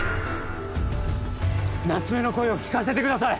夏目の声を聞かせてください！